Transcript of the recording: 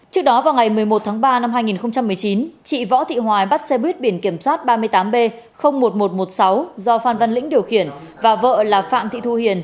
trước đó vào ngày một mươi một tháng ba năm hai nghìn một mươi chín chị võ thị hoài bắt xe buýt biển kiểm soát ba mươi tám b một nghìn một trăm một mươi sáu do phan văn lĩnh điều khiển và vợ là phạm thị thu hiền